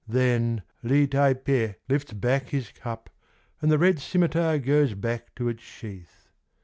— Then Li Tai Pe" lifts hark his cup And the red scimitar goes back to its sheath.